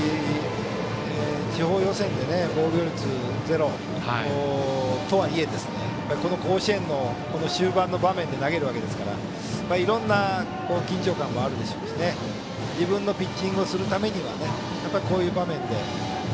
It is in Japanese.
地方予選で防御率０とはいえこの甲子園の終盤の場面で投げるわけですからいろんな緊張感もあるでしょうし自分のピッチングをするためにはこういう場面で。